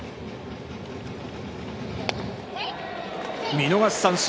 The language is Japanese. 見逃し三振。